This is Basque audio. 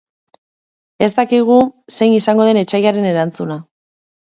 Ez dakigu zein izango den etsaiaren erantzuna.